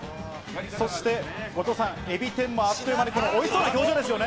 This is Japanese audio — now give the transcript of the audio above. そして後藤さん、エビ天もあっという間に、おいしそうな表情です